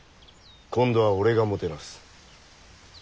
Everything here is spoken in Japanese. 今度は俺がもてなす。